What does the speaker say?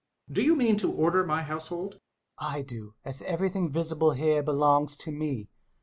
Do you mean to order my household? Hummel. I do. .. .as everything visible here belongs to me